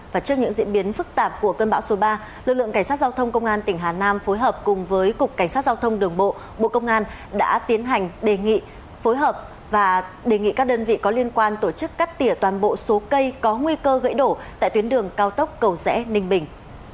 và trước những diễn biến phức tạp của cơn bão số ba lực lượng cảnh sát giao thông công an tỉnh hà nam phối hợp cùng với cục cảnh sát giao thông đường bộ bộ công an đã tiến hành đề nghị phối hợp và đề nghị các đơn vị có liên quan tổ chức cắt tỉa toàn bộ số cây có nguy cơ gãy đổ tại tuyến đường cao tốc cầu rẽ ninh bình